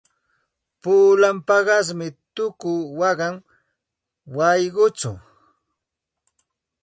Pulan paqasmi tuku waqan wayquchaw.